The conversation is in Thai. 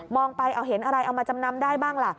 ไปเอาเห็นอะไรเอามาจำนำได้บ้างล่ะ